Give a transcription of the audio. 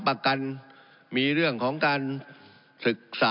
ประอบมนี้เนียะ